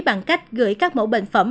bằng cách gửi các mẫu bệnh phẩm